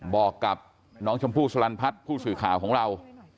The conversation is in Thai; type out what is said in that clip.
บอกกับน้องชมพู่สลันพัฒน์ผู้สื่อข่าวของเรา